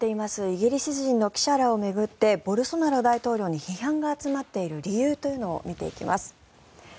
イギリス人の記者らを巡ってボルソナロ大統領に批判が集まっている理由というのを見ていきます。